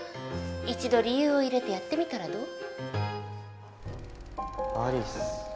一度理由を入れてやってみたらどう？